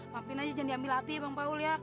maafin aja jangan diambil latih bang paul ya